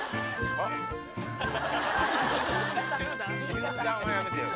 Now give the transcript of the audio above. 「集団」はやめてよ。